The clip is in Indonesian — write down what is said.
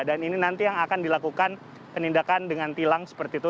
dan ini nanti yang akan dilakukan penindakan dengan tilang seperti itu